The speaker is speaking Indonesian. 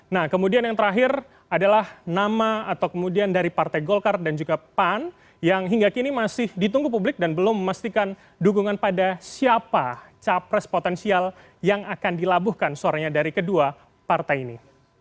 nah kemudian yang terakhir adalah nama atau kemudian dari partai golkar dan juga pan yang hingga kini masih ditunggu publik dan belum memastikan dukungan pada siapa capres potensial yang akan dilabuhkan suaranya dari kedua partai ini